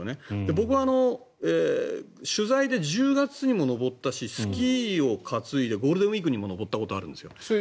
僕は取材で１０月にも登ったしスキーをかついでゴールデンウィークにも登ったことがあるんです。